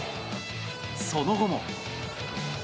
その後も。